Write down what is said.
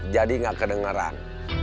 jadi gak kedengeran